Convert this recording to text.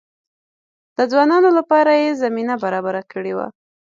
د ځوانانو لپاره یې زمینه برابره کړې وه.